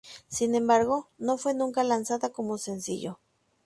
Sin embargo, no fue nunca lanzada como sencillo.